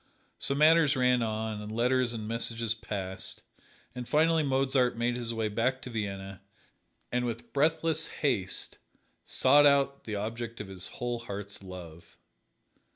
So matters ran on and letters and messages passed, and finally Mozart made his way back to Vienna and with breathless haste sought out the object of his whole heart's love.